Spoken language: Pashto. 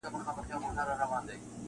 په سلگونو یې کورونه وه لوټلي-